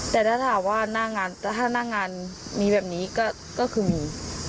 แต่ถ้าถามว่าหน้างานถ้าหน้างานมีแบบนี้ก็คือมี